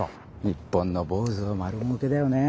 日本の坊主は丸もうけだよね。